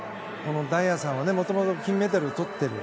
大也さんはもともと金メダルをとってる。